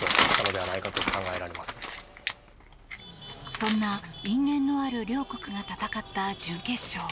そんな因縁のある両国が戦った準決勝。